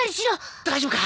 大丈夫か？